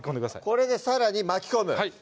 これでさらに巻き込むはい